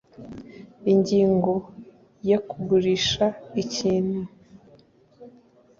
Ingingo ya Kugurisha ikintu